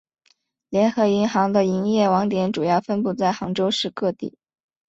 联合银行的营业网点主要分布在杭州市各地。